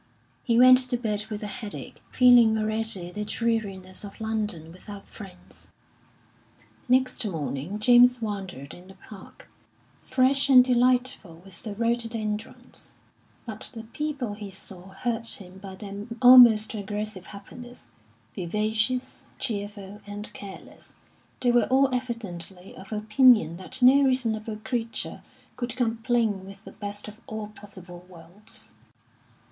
He went to bed with a headache, feeling already the dreariness of London without friends. Next morning James wandered in the Park, fresh and delightful with the rhododendrons; but the people he saw hurt him by their almost aggressive happiness vivacious, cheerful, and careless, they were all evidently of opinion that no reasonable creature could complain with the best of all possible worlds.